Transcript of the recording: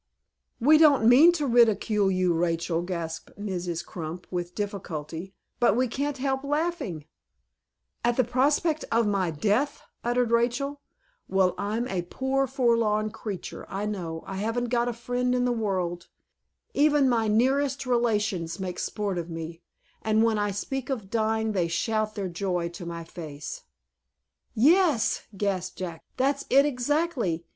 "We don't mean to ridicule you, Rachel," gasped Mrs. Crump, with difficulty, "but we can't help laughing " "At the prospect of my death," uttered Rachel. "Well, I'm a poor forlorn creetur, I know; I haven't got a friend in the world. Even my nearest relations make sport of me, and when I speak of dying they shout their joy to my face." "Yes," gasped Jack, "that's it exactly.